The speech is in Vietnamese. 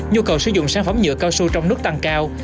nhu cầu sử dụng sản phẩm nhựa cao su trong nước tăng cao